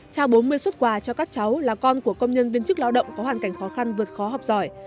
trao bốn mươi xuất quà cho các cháu là con của công nhân viên chức lao động có hoàn cảnh khó khăn vượt khó học giỏi